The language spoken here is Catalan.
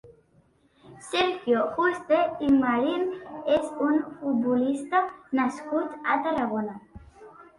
Sergio Juste i Marín és un futbolista nascut a Tarragona.